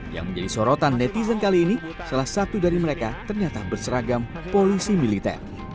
yang menjadi sorotan netizen kali ini salah satu dari mereka ternyata berseragam polisi militer